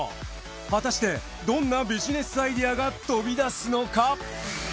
果たしてどんなビジネスアイデアが飛び出すのか？